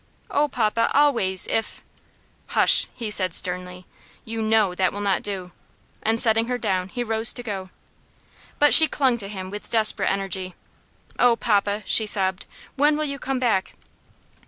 "Oh, papa, always, if " "Hush!" he said sternly; "you know that will not do;" and setting her down, he rose to go. But she clung to him with desperate energy. "Oh, papa," she sobbed, "when will you come back?"